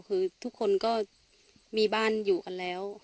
คือทุกคนก็มีบ้านอยู่กันแล้ว